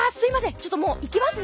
ちょっともう行きますね。